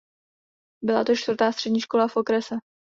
Byla to čtvrtá střední škola v okrese.